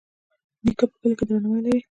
نیکه په کلي کې درناوی لري.